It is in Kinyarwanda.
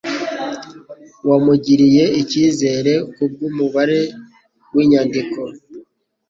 wamugiriye icyizere kubw'umubare w'inyandiko